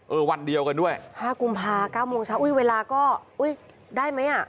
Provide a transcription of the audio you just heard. เออวันเดียวกันด้วยห้ากุมภาพันธ์เก้าโมงเช้าอุ้ยเวลาก็อุ้ยได้ไหมอ่ะ